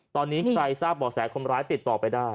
ตอนนี้ใครทราบบ่อแสคนร้ายติดต่อไปได้